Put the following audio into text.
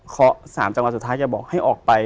๓จังหวัดสุดท้ายแกบอกให้ออกไป